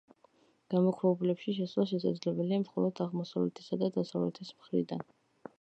გამოქვაბულებში შესვლა შესაძლებელია მხოლოდ აღმოსავლეთისა და დასავლეთის მხრიდან.